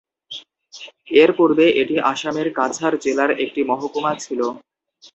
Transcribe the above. এর পূর্বে এটি আসামের কাছাড় জেলার একটি মহকুমা ছিল।